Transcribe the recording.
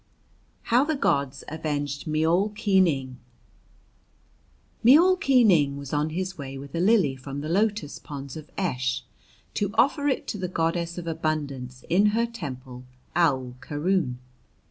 HOW THE GODS AVENGED MEOUL KI NING Meoul Ki Ning was on his way with a lily from the lotus ponds of Esh to offer it to the Goddess of Abundance in her temple Aoul Keroon.